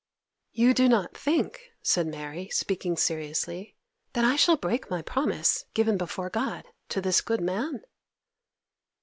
'You do not think,' said Mary, speaking seriously, 'that I shall break my promise, given before God, to this good man?